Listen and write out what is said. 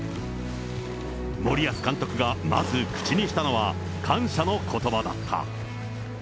森保監督がまず口にしたのは、感謝のことばだった。